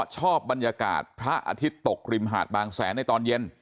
ชอบบรรยากาศพระอาทิตย์ตกริมหาดบางแสนในตอนเย็น